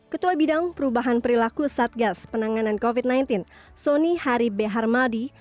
ketua bidang perubahan perilaku satgas penanganan covid sembilan belas soni hari b harmadi